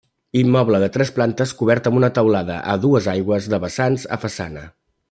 Immoble de tres plantes cobert amb una teulada a dues aigües de vessants a façana.